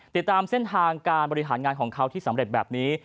ติดตามเส้นทางการบริหารงานของเขาที่สำเร็จแบบนี้